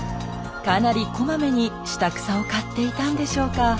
かなりこまめに下草を刈っていたんでしょうか。